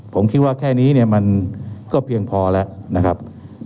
ผมคิดว่าแค่นี้เนี่ยมันก็เพียงพอแล้วนะครับ